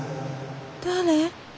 誰？